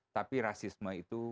tapi rasisme itu masih ada